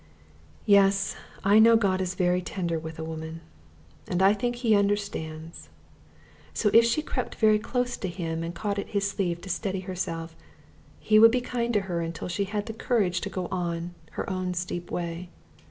Yes, I know God is very tender with a woman, and I think He understands; so, if she crept very close to Him and caught at His sleeve to steady herself, He would be kind to her until she had the courage to go on along her own steep way.